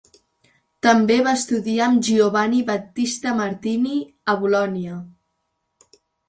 També va estudiar amb Giovanni Battista Martini, a Bolonya.